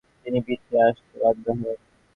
তিনি পিছিয়ে আসতে বাধ্য হন।